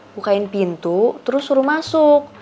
bukain pintu terus suruh masuk